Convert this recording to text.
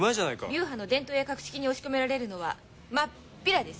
流派の伝統や格式に押し込められるのはまっぴらです。